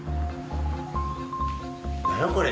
何やこれ？